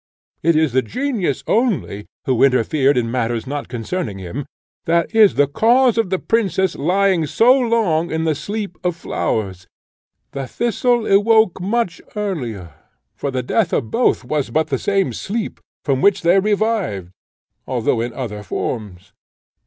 It is the genius only, who interfered in matters not concerning him, that is the cause of the princess lying so long in the sleep of flowers; the Thistle awoke much earlier; for the death of both was but the same sleep, from which they revived, although in other forms.